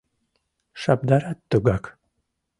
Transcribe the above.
Шабдарат тугак.